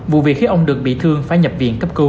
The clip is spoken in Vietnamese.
vụ việc khiến ông được bị thương phải nhập viện cấp cứu